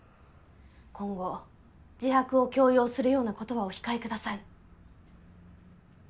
今後自白を強要するようなことはお控えください。